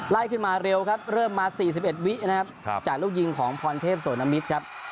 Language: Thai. ขึ้นมาเร็วครับเริ่มมา๔๑วินะครับจากลูกยิงของพรเทพโสนมิตรครับ